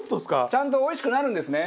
ちゃんとおいしくなるんですね？